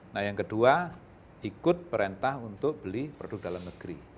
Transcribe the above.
nah yang kedua ikut perintah untuk beli produk dalam negeri